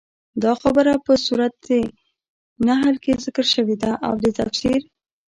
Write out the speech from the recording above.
دا خبره په سورت نحل کي ذکر شوي ده، او د تفسير